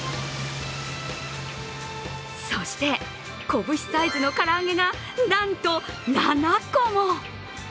そして、こぶしサイズのから揚げがなんと７個も。